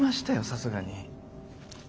さすがに。